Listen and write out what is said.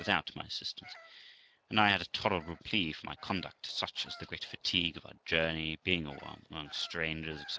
without my assistance; and I had a tolerable plea for my conduct, such as the great fatigue of our journey, being among strangers, etc.